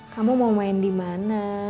kamu mau main di mana